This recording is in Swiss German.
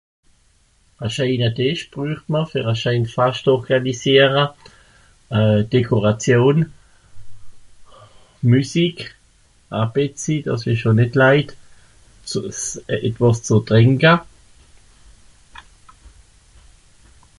A scheena Tìsch brücht m'r fer a scheen Fascht organisiera. Euh... Dekoration, Müsik, a betzi, dàss ìsch (...), etwàs zù trìnka.